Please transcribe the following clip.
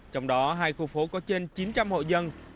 trong đó hai khu phố có trên chín trăm linh hộ dân